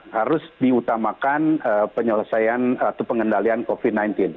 harus diutamakan penyelesaian atau pengendalian covid sembilan belas